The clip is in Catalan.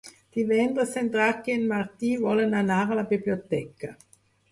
Divendres en Drac i en Martí volen anar a la biblioteca.